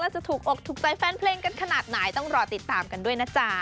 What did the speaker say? จะถูกอกถูกใจแฟนเพลงกันขนาดไหนต้องรอติดตามกันด้วยนะจ๊ะ